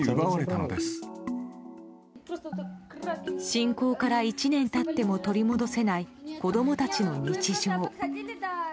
侵攻から１年経っても取り戻せない子供たちの日常。